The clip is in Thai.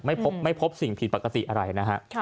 ไม่พบไม่พบสิ่งผิดปกติอะไรนะฮะค่ะ